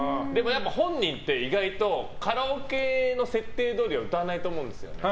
本人って意外とカラオケの設定どおりには歌わないと思うんですよ。